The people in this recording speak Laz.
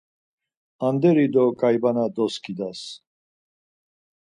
Anderi do ǩaybana doskidas!